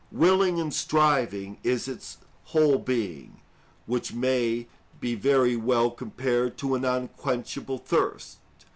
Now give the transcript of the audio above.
Willing and striving is its whole being, which may be very well compared to an unquenchable thirst.